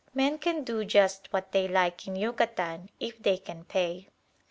Men can do just what they like in Yucatan if they can pay.